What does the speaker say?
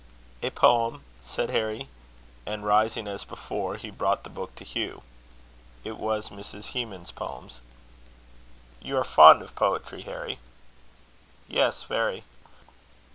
"A poem," said Harry; and, rising as before, he brought the book to Hugh. It was Mrs. Hemans's Poems. "You are fond of poetry, Harry." "Yes, very."